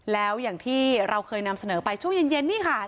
แล้วอย่างที่เราเคยนำเสนอไปช่วงเย็นนี่ค่ะ